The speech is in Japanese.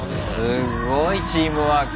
すっごいチームワーク。